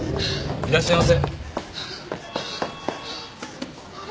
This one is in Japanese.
いらっしゃいませ。